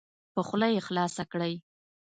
په خوله یې خلاصه کړئ.